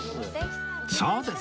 そうですよ。